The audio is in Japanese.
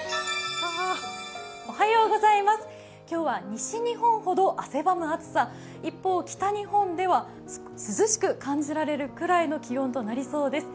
今日は西日本ほど汗ばむ暑さ、一方北日本では涼しく感じられるくらいの気温となりそうです。